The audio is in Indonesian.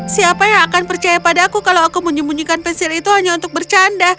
siapa yang akan percaya pada aku kalau aku menyembunyikan pensil itu hanya untuk bercanda